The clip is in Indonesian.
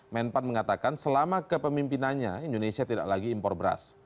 menpan mengatakan selama kepemimpinannya indonesia tidak lagi impor beras